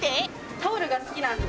タオルが好きなんで。